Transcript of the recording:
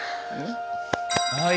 あ